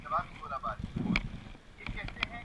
Jersey